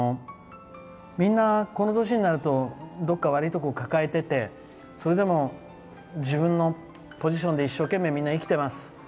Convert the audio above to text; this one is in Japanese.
みんなこの年になると悪いところをどこか抱えていてそれでも自分のポジションで一生懸命みんな生きてます。